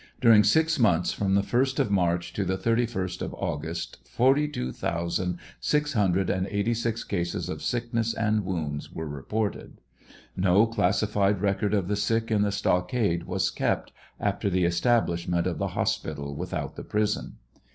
During six months, from the 1st of March to the 31st of August, forty two thousand six hundred and eighty six cases of sickness and wounds were reported. No classified record of the sick in the stockade was kept after the establishment of the hos pital without the prison.